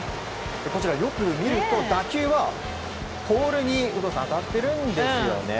よく見ると打球はポールに有働さん当たってるんですよね。